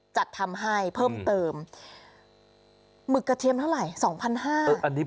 จัดทำให้เพิ่มเติมหมึกกระเทียมเท่าไหร่๒๕๐๐บาท